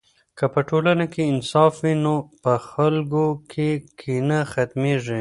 که په ټولنه کې انصاف وي نو په خلکو کې کینه ختمېږي.